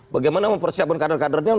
bagaimana mempersiapkan kader kadernya